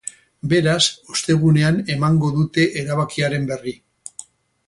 Beraz, ostegunean emango dute erabakiaren berri.